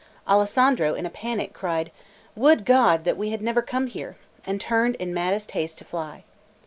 Alessandro, in a panic, cried: "Would God that we had never come here!" and turned in maddest haste to fly.